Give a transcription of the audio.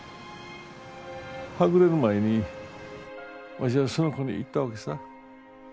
はぐれる前にわしはその子に言ったわけさ。